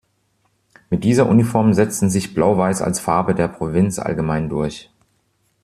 Mit dieser Uniform setzten sich Blau-Weiß als Farbe der Provinz allgemein durch.